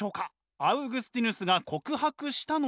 アウグスティヌスが告白したのは。